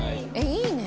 いいね！